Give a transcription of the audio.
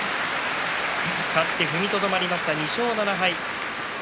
勝って踏みとどまりました２勝７敗。